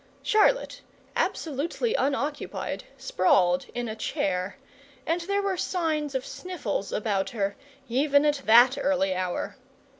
Charlotte, absolutely unoccupied, sprawled in a chair, and there were signs of sniffles about her, even at that early hour.